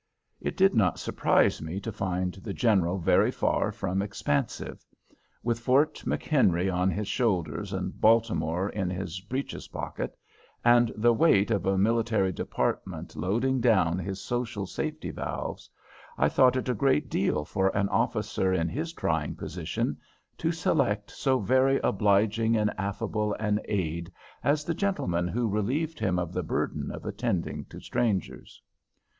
It did not surprise me to find the General very far from expansive. With Fort McHenry on his shoulders and Baltimore in his breeches pocket, and the weight of a military department loading down his social safety valves, I thought it a great deal for an officer in his trying position to select so very obliging and affable an aid as the gentleman who relieved him of the burden of attending to strangers.